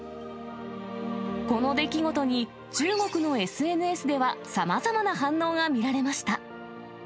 この出来事に、中国のＳＮＳではさまざまな反応が見られました。